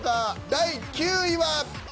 第９位は。